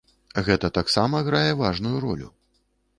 Гэта таксама грае важную ролю.